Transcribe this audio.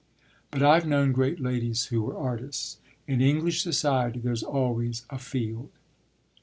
"But I've known great ladies who were artists. In English society there's always a field."